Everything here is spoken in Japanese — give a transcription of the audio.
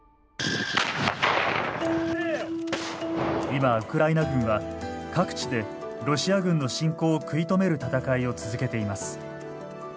今ウクライナ軍は各地でロシア軍の侵攻を食い止める戦いを続けています。